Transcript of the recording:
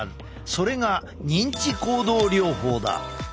それが認知行動療法だ。